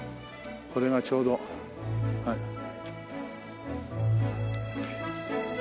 これがちょうどはい。